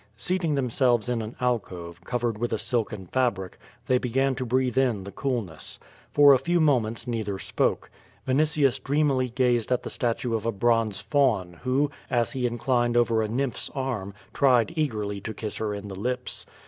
Seating themselves in an alcove, covered with a silken fabric, they began to breathe in the coolness. For a few moments neither spoke. Vinitius dreamily gazed at the statue of a bronze faun who, as he inclined over a nymph's arm, tried eagerly to kiss her in the lips.